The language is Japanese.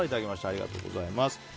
ありがとうございます。